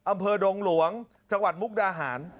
อำเภอดงหลวงจังหวัดมุกดาหาร